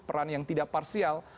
peran yang tidak parsial